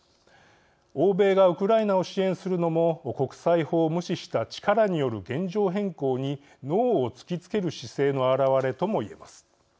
欧米がウクライナを支援するのも国際法を無視した力による現状変更にノーを突きつける姿勢の表れとも言えます。